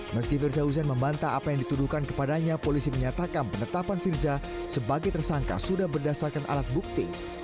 meski firza hussein membantah apa yang dituduhkan kepadanya polisi menyatakan penetapan firza sebagai tersangka sudah berdasarkan alat bukti